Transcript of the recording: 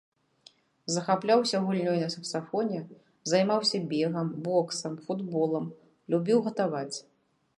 Захапляўся гульнёй на саксафоне, займаўся бегам, боксам, футболам, любіў гатаваць.